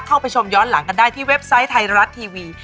เข้าไปชมย้อนหลังกันได้ที่เว็บไซต์ไทยรัฐทีวี